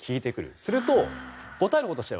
すると、答えるほうとしては